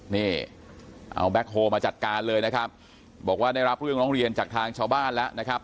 นี่เอาแก๊คโฮลมาจัดการเลยนะครับบอกว่าได้รับเรื่องร้องเรียนจากทางชาวบ้านแล้วนะครับ